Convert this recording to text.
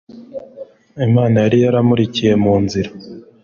Imana yari yaramurikiye mu nzira